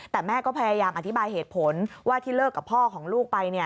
แต่แม่ก็พยายามอธิบายเหตุผลว่าที่เลิกกับพ่อของลูกไป